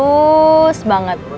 dua tulus banget